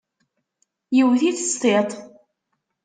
Yewwet-it s tiṭ.